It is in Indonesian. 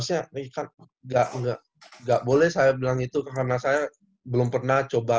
saya enggak boleh saya bilang itu karena saya belum pernah coba